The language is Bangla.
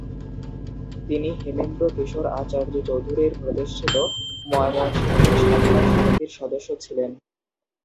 তিনি হেমেন্দ্রকিশোর আচার্য চৌধুরীর প্রতিষ্ঠিত ময়মনসিংহের সাধনা সমিতির সদস্য ছিলেন।